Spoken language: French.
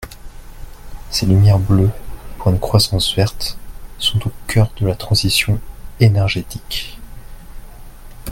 Ces lumières bleues pour une croissance verte sont au cœur de la transition énergétique.